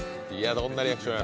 どんなリアクションやろ